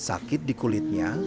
sakit di kulitnya